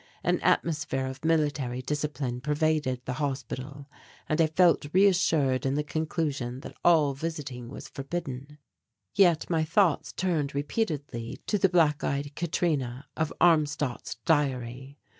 An atmosphere of military discipline pervaded the hospital and I felt reassured in the conclusion that all visiting was forbidden. Yet my thoughts turned repeatedly to the black eyed Katrina of Armstadt's diary.